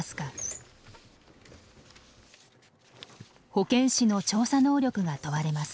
保健師の調査能力が問われます。